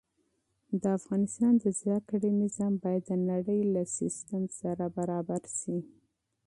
د افغانستان د زده کړې نظام باید د نړۍ له سيستم سره برابر شي.